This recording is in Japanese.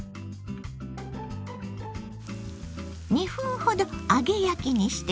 ２分ほど揚げ焼きにしてね。